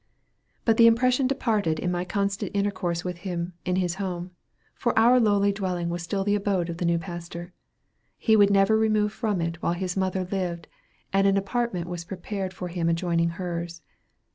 But the impression departed in my constant intercourse with him in his home for our lowly dwelling was still the abode of the new pastor. He would never remove from it while his mother lived, and an apartment was prepared for him adjoining hers.